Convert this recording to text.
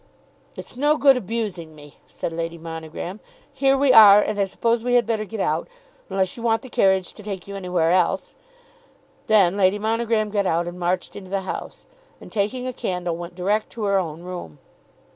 "It's no good abusing me," said Lady Monogram. "Here we are, and I suppose we had better get out, unless you want the carriage to take you anywhere else." Then Lady Monogram got out and marched into the house, and taking a candle went direct to her own room.